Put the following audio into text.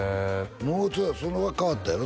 もうじゃあそれは変わったやろ？